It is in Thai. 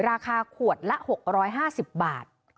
สองขวดละหกร้อยห้าสิบบาท